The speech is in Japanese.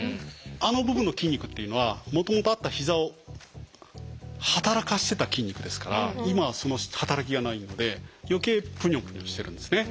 あの部分の筋肉っていうのはもともとあった膝を働かしてた筋肉ですから今はその働きがないので余計プニョプニョしてるんですね。